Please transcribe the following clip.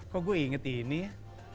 kok gue inget ini ya